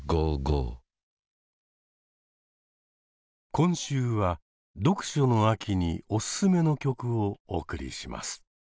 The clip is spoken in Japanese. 今週は読書の秋におすすめの曲をお送りします。